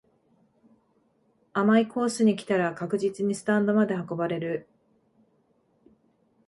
甘いコースに来たら確実にスタンドまで運ばれる